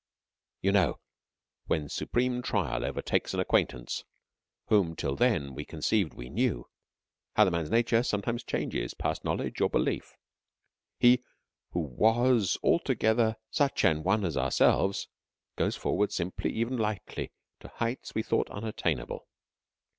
You know, when supreme trial overtakes an acquaintance whom till then we conceived we knew, how the man's nature sometimes changes past knowledge or belief. He who was altogether such an one as ourselves goes forward simply, even lightly, to heights we thought unattainable.